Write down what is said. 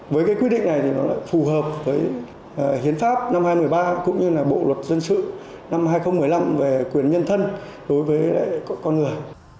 với cái quy định này thì nó lại phù hợp với hiến pháp năm hai nghìn một mươi ba cũng như là bộ luật dân sự năm hai nghìn một mươi năm về quyền nhân thân đối với lại con người